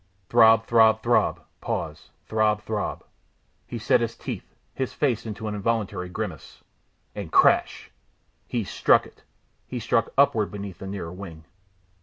Throb, throb, throb pause throb, throb he set his teeth, his face into an involuntary grimace, and crash! He struck it! He struck upward beneath the nearer wing.